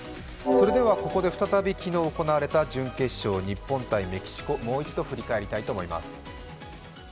それではここで再び、昨日行われた準決勝、日本×メキシコ、もう一度振り返りたいと思います。